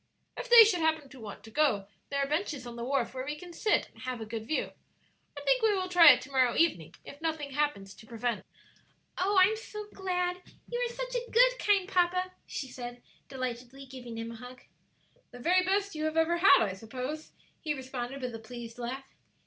"If they should happen to want to go; there are benches on the wharf where we can sit and have a good view. I think we will try it to morrow evening if nothing happens to prevent." "Oh, I'm so glad! You are such a good, kind papa," she said, delightedly, giving him a hug. "The very best you have ever had, I suppose," he responded, with a pleased laugh.